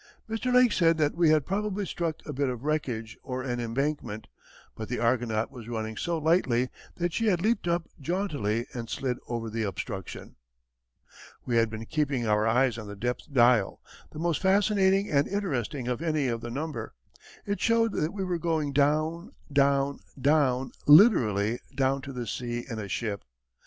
Mr. Lake said that we had probably struck a bit of wreckage or an embankment, but the Argonaut was running so lightly that she had leaped up jauntily and slid over the obstruction. We had been keeping our eyes on the depth dial, the most fascinating and interesting of any of the number. It showed that we were going down, down, down, literally down to the sea in a ship.